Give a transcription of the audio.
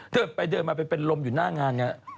เดินไปเดินมาไปเป็นลมอยู่หน้างานไง